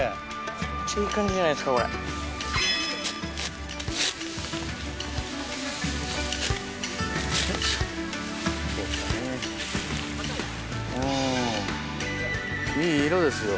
めっちゃいい感じじゃないでいい色ですよ。